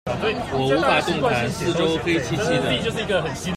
我無法動彈，四周黑漆漆的